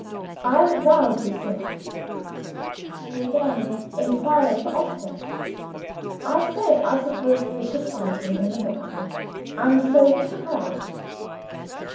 I roused Lucilla. She again inquired for Oscar. I said I supposed we should find him in the garden and so took her out.